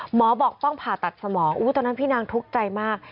หมอบอกต้องผ่าตัดสมองตอนนั้นพี่นางทุกข์ใจมาก